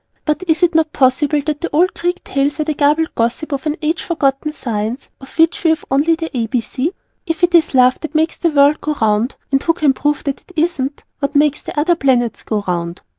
But is it not possible that the old Greek tales were the garbled gossip of an age forgotten science of which we have only the A.B.C.? If it is Love that makes the world go round (and who can prove that it isn't?), what makes the other Planets go round?